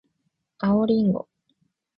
青りんご